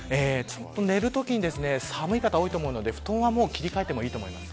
寝るときに寒い方が多いと思うので布団は切り替えてもいいと思います。